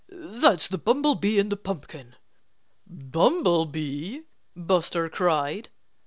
"That's the bumblebee in the pumpkin." "Bumblebee!" Buster cried.